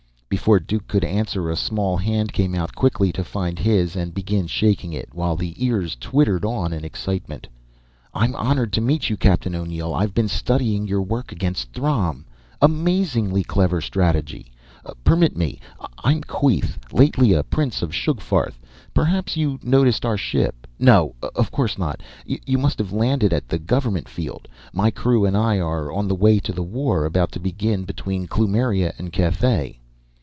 Before Duke could answer, a small hand came out quickly to find his and begin shaking it, while the ears twittered on in excitement. "I'm honored to meet you, Captain O'Neill. I've been studying your work against Throm. Amazingly clever strategy! Permit me I'm Queeth, lately a prince of Sugfarth. Perhaps you noticed our ship? No, of course not. You must have landed at the government field. My crew and I are on the way to the war about to begin between Kloomiria and Cathay."